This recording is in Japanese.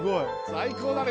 最高だね